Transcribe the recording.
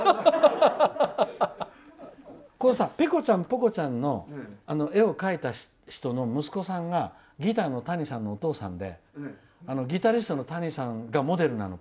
ペコちゃんポコちゃんの絵を描いた人の息子さんがギターの谷さんのお父さんでギタリストの谷さんがモデルなの。